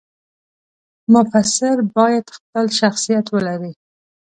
مفسر باید خپل شخصیت ولري.